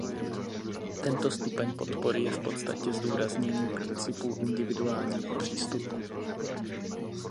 Tento stupeň podpory je v podstatě zdůraznění principů individuálního přístupu.